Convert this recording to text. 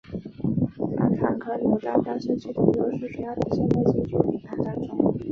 反坦克榴弹发射器的优势主要体现在近距离巷战中。